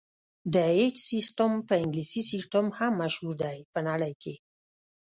د ایچ سیسټم په انګلیسي سیسټم هم مشهور دی په نړۍ کې.